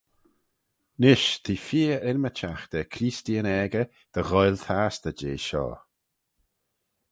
Nish te feer ymmyrchagh da Creesteeyn aegey dy ghoaill tastey jeh shoh.